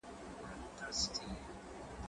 زه له سهاره ځواب ليکم؟!